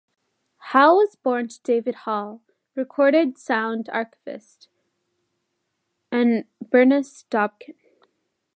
Hall was born to David Hall, recorded sound archivist, and Bernice Dobkin.